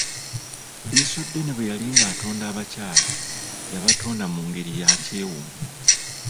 Liisoddene bwe yali ng'atonda abakyala, yabatonda mu ngeri yakyewuunyo.